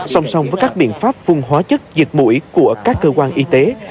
song song với các biện pháp phun hóa chất dịch mũi của các cơ quan y tế